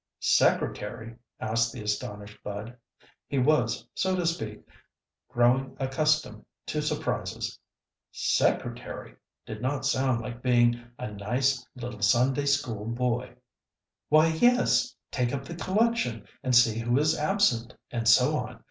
"Secretary?" asked the astonished Bud. He was, so to speak, growing accustomed to surprises. "Secretary" did not sound like being "a nice little Sunday school boy." "Why, yes! take up the collection, and see who is absent, and so on.